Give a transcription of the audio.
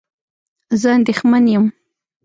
زه اندېښمن یم